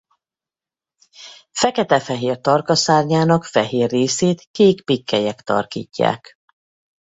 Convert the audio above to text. Fekete-fehér tarka szárnyának fehér részét kék pikkelyek tarkítják.